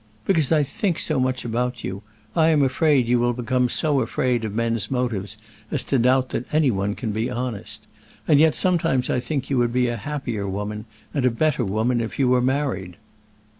"Because I think so much about you. I am afraid that you will become so afraid of men's motives as to doubt that any one can be honest. And yet sometimes I think you would be a happier woman and a better woman, if you were married."